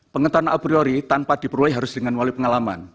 pengetahuan abriori tanpa diperoleh harus dengan wali pengalaman